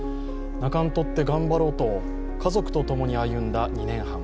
泣かんとってがんばろと、家族とともに歩んだ２年半。